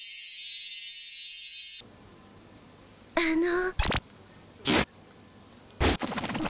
あの。